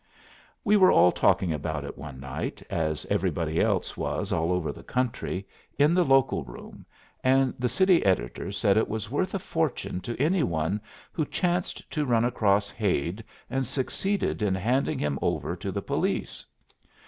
We were all talking about it one night, as everybody else was all over the country, in the local room, and the city editor said it was worth a fortune to any one who chanced to run across Hade and succeeded in handing him over to the police.